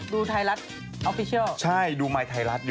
ดูไทยรัฐออฟฟิเชียลใช่ดูไมค์ไทยรัฐอยู่